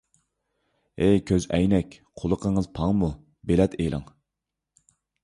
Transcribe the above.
ھەي كۆزئەينەك، قۇلىقىڭىز پاڭمۇ؟ بېلەت ئېلىڭ!